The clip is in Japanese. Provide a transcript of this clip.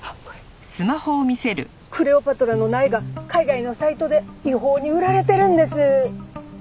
クレオパトラの苗が海外のサイトで違法に売られてるんです。